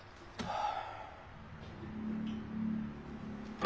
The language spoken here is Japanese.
ああ。